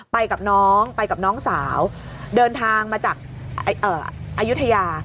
ไปกับน้องไปกับน้องสาวเดินทางมาจากอายุทยา